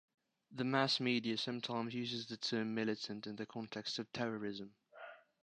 The mass media sometimes uses the term "militant" in the context of terrorism.